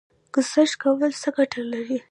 ګذشت کول څه ګټه لري؟